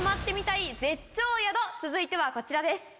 続いてはこちらです。